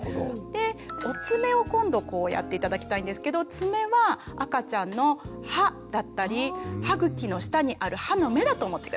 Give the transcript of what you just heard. でお爪を今度こうやって頂きたいんですけど爪は赤ちゃんの歯だったり歯茎の下にある歯の芽だと思って下さい。